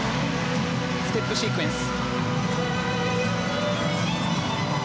ステップシークエンス。